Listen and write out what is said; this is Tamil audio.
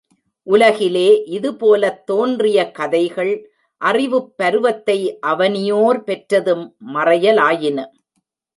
உலகிலே இதுபோலத் தோன்றிய கதைகள், அறிவுப் பருவத்தை அவனியோர் பெற்றதும் மறையலாயின!